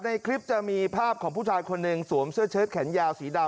ในคลิปจะมีภาพของผู้ชายคนหนึ่งสวมเสื้อเชิดแขนยาวสีดำ